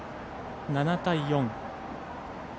７対４。